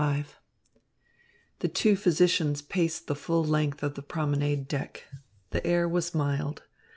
XXV The two physicians paced the full length of the promenade deck. The air was mild.